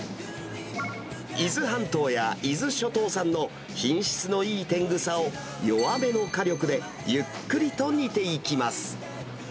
伊豆半島や伊豆諸島産の品質のいい天草を、弱めの火力でゆっくりと煮ていきます。